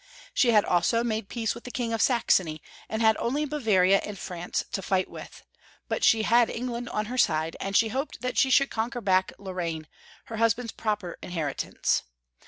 She had also made peace with the King of Saxony, and had only Bavaria and France to fight with ; but she had England on her side, and she hoped 398 Young Folks^ History of O ermany. that she should conquer back again Lorraine, her husband's proper inheritance.